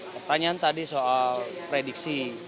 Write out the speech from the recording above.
pertanyaan tadi soal prediksi